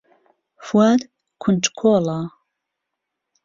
فواد کونجکۆڵە.